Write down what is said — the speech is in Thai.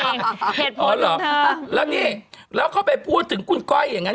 แม่งนั้นเองเหตุผลของเธอแล้วนี่แล้วเขาไปพูดถึงคุณก้อยอย่างงั้น